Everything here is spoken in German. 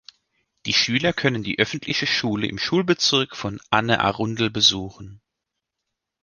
Die Schüler können die öffentliche Schule im Schulbezirk von Anne Arundel besuchen.